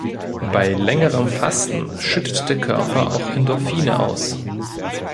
Bei längerem Fasten schüttet der Körper auch Endorphine aus.